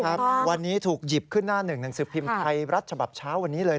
ครับวันนี้ถูกหยิบขึ้นหน้าหนึ่งหนังสือพิมพ์ไทยรัฐฉบับเช้าวันนี้เลย